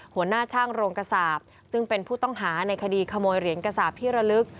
หัวหน้าช่างโรงกระสาปซึ่งเป็นผู้ต้องหาในคดีขโมยเหรียญกระสาปที่ระลึก